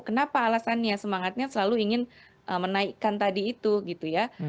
kenapa alasannya semangatnya selalu ingin menaikkan tadi itu gitu ya